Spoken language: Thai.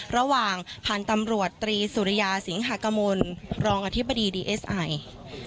ระหว่างพันธุ์ตำรวจตรีสุริยาสิงหากมลรองอธิบดีดีเอสไอ